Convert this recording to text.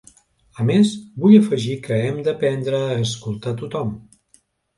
A més, vull afegir que hem d’aprendre a escoltar tothom.